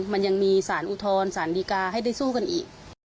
มันยังมีสารอุทธรณ์สารดีกาให้ได้สู้กันอีก